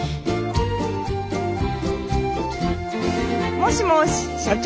もしもし社長？